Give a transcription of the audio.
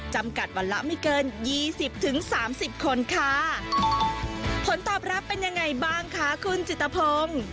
จำกัดวันละไม่เกินยี่สิบถึงสามสิบคนค่ะผลตอบรับเป็นยังไงบ้างคะคุณจิตภง